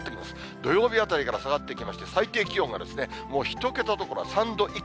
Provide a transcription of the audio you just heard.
土曜日あたりから下がってきまして、最低気温がもう１桁どころか３度以下。